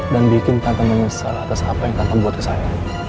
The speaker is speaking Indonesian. dan bikin tante menyesal atas apa yang tante buat ke saya